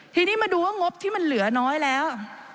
ทีนี้มาดูว่างบที่มันเหลือน้อยแล้ว